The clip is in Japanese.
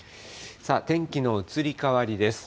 天気の移り変わりです。